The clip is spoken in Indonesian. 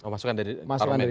masukkan dari parlement ya